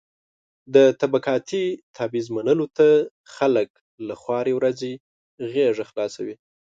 د طبقاتي تبعيض منلو ته خلک له خوارې ورځې غېږه خلاصوي.